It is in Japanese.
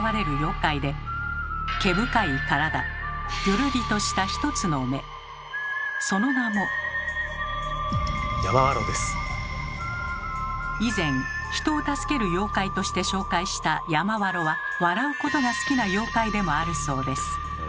笑いをとりたいその名も以前人を助ける妖怪として紹介した「山童」は笑うことが好きな妖怪でもあるそうです。